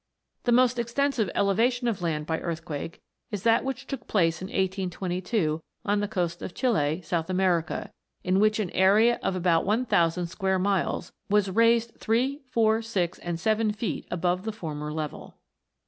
The most extensive elevation of land by earth quake is that which took place in 1822, on the coast of Chili, South America, in which an area of about 100,000 square miles, was raised three, four, six, and seven feet above the former level.